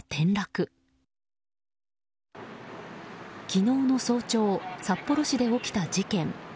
昨日の早朝札幌市で起きた事件。